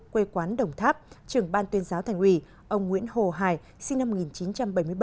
quê quán đồng tháp trưởng ban tuyên giáo thành ủy ông nguyễn hồ hải sinh năm một nghìn chín trăm bảy mươi bảy